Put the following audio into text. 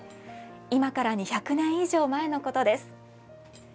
今から２００年以上前のことです。